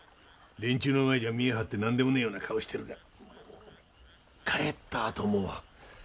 連中の前じゃ見え張って何でもねえような顔してるが帰ったあともう。